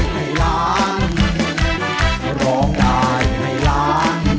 เพราะร้องได้ให้ร้าน